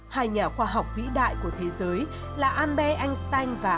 hai nhà khoa học vĩ đại của thế giới là albert einstein và einstein